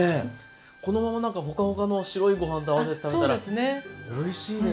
このままホカホカの白いご飯と合わせて食べたらおいしいでしょうね。